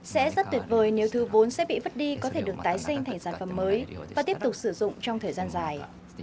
sẽ rất tuyệt vời nếu thứ vốn sẽ bị vứt đi có thể được tái sinh thành sản phẩm mới và tiếp tục sử dụng trong thời gian dài